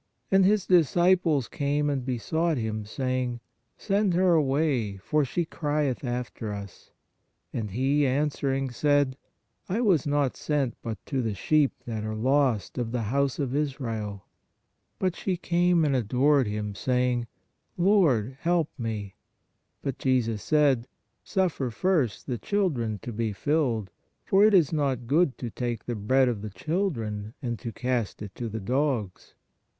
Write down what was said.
And His disciples came and besought Him, saying: Send her away, for she crieth after us. And He, answering, said: I was not sent but to the sheep that are lost of the house of Israel. But she came and adored Him, saying: Lord, help me. But Jesus said : Suffer first the children to be filled, for it is not good to take the bread of the children and THE WOMAN OF CANAAN 89 to cast it to the dogs.